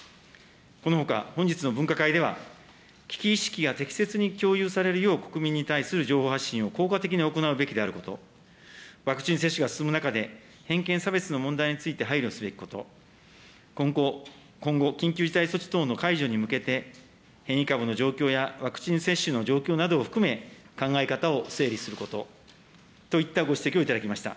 このほか本日の分科会では、危機意識が適切に共有されるよう国民に対する情報発信を効果的に行うべきであること、ワクチン接種が進む中で、偏見、差別の問題について配慮すべきこと、今後、緊急事態措置等の解除に向けて、変異株の状況やワクチン接種の状況などを含め、考え方を整理することといったご指摘を頂きました。